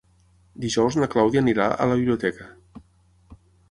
Dijous na Clàudia anirà a la biblioteca.